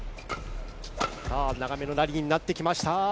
長めのラリーになってきました。